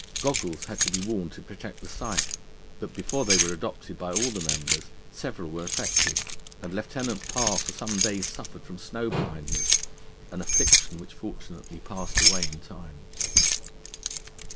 Goggles had to be worn to protect the sight, but before they were adopted by all the members several were affected, and Lieutenant Parr for some days suffered from snow blindness, an affliction which fortunately passed away in time.